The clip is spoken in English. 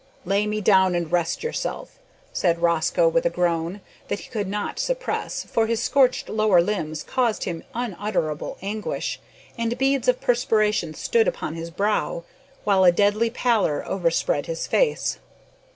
"Lay me down and rest yourself," said Rosco, with a groan that he could not suppress, for his scorched lower limbs caused him unutterable anguish, and beads of perspiration stood upon his brow, while a deadly pallor overspread his face.